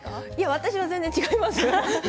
私は全然違います。